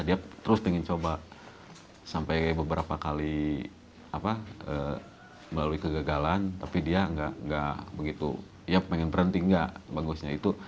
dia terus pengen coba sampai beberapa kali melalui kegagalan tapi dia nggak begitu ya pengen berhenti nggak bagusnya itu